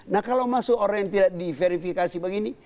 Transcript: nah kalau masuk orang yang tidak diverifikasi begini